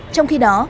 trong khi đó